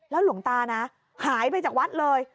แล้วหลวงตาหายไปจากวัดเลย